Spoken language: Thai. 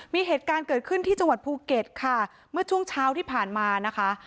มีเหตุการณ์เกิดขึ้นที่จังหวัดภูเก็ตค่ะเมื่อช่วงเช้าที่ผ่านมานะคะ